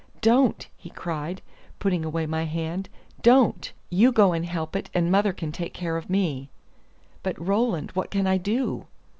Don't!" he cried, putting away my hand, "don't! You go and help it, and mother can take care of me." "But, Roland, what can I do?"